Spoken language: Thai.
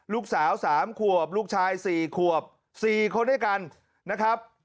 ลูกสาว๓ขวบลูกชาย๔ขวบ๔คนด้วยกันนะครับ